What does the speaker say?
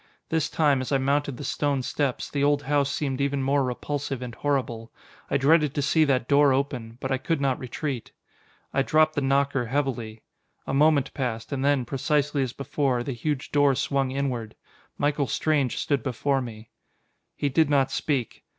This time, as I mounted the stone steps, the old house seemed even more repulsive and horrible. I dreaded to see that door open, but I could not retreat. I dropped the knocker heavily. A moment passed: and then, precisely as before, the huge door swung inward. Michael Strange stood before me. He did not speak.